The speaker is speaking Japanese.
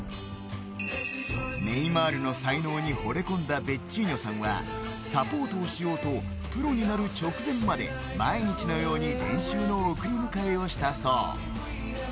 ネイマールの才能にほれ込んだベッチーニョさんはサポートをしようとプロになる直前まで毎日のように練習の送り迎えをしたそう。